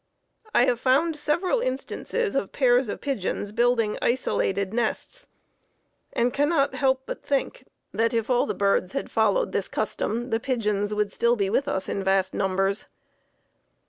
I have found several instances of pairs of pigeons building isolated nests, and cannot help but think that if all birds had followed this custom that the pigeons would still be with us in vast numbers.